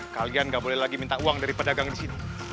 kalian nggak boleh lagi minta uang dari pedagang di sini